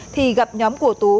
thì gặp nhóm của tú